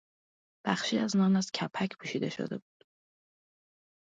بخشی از نان از کپک پوشیده شده بود.